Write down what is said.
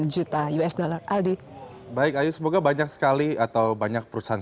sembilan juta usd baik ayu semoga banyak sekali atau banyak perusahaan